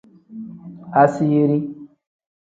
Asiiri.